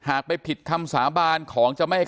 การแก้เคล็ดบางอย่างแค่นั้นเอง